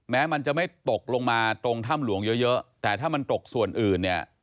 แม้มันจะไม่ตกลงมาตรงถ้ำหลวงเยอะแต่ถ้ามันตกส่วนอื่นเนี่ย